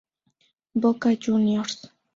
Boca Juniors.